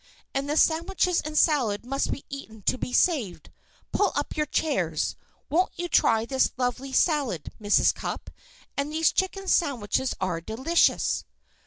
And the sandwiches and salad must be eaten to be saved. Pull up your chairs. Won't you try this lovely salad, Mrs. Cupp? And these chicken sandwiches are delicious."